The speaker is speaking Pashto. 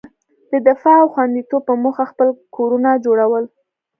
د دفاع او خوندیتوب په موخه خپل کورونه جوړول.